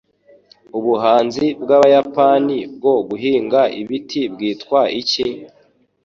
Ubuhanzi bw'Abayapani bwo guhinga ibiti bwitwa iki?